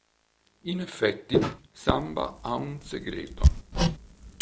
In effetti Samba ha un segreto.